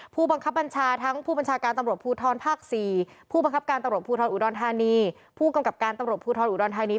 ผู้บังคับบัญชาทั้งผู้บัญชาการตำรวจภูทรภาค๔ผู้บังคับการตำรวจภูทรอุดรธานีผู้กำกับการตำรวจภูทรอุดรธานี